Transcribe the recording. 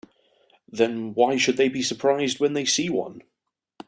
Then why should they be surprised when they see one?